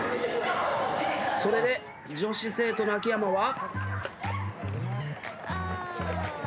それで女子生徒の秋山は。